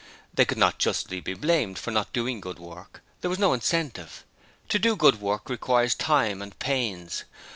They could not justly be blamed for not doing good work there was no incentive. To do good work requires time and pains.